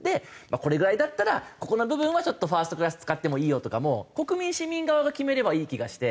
これぐらいだったらここの部分はちょっとファーストクラス使ってもいいよとかも国民市民側が決めればいい気がして。